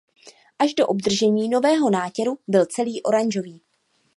Až do obdržení nového nátěru byl celý oranžový.